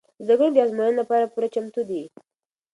زده کوونکي د ازموینو لپاره پوره چمتو دي.